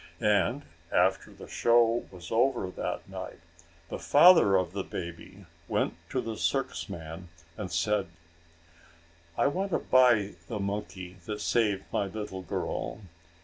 And, after the show was over that night, the father of the baby went to the circus man and said: "I want to buy the monkey that saved my little girl.